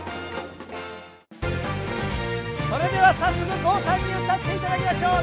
それでは早速郷さんに歌って頂きましょう！